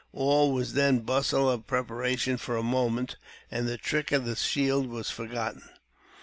All was then bustle of preparation for a moment; and the trick of the shield was forgotten.